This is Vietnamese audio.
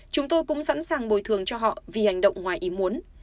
chúng tôi cũng sẵn sàng bồi thường cho họ vì hành động ngoài ý muốn